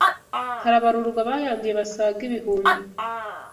harabarurwa abayanduye basaga ibihumbi